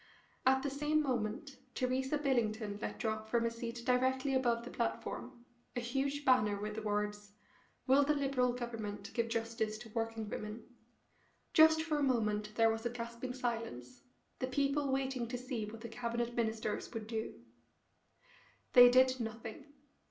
At the same moment Theresa Billington let drop from a seat directly above the platform a huge banner with the words: "Will the Liberal Government give justice to working women?" Just for a moment there was a gasping silence, the people waiting to see what the Cabinet Ministers would do. They did nothing.